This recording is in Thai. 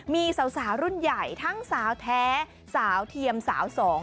มีสาวรุ่นใหญ่ทั้งสาวแท้สาวเทียมสาวสอง